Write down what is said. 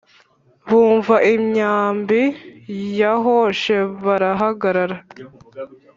bumva imyambi yahoshe barahagarara